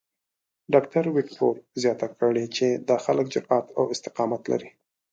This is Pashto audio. ډاکټر وېکټور زیاته کړې چې دا خلک جرات او استقامت لري.